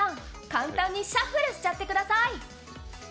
簡単にシャッフルしてください。